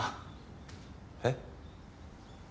えっ？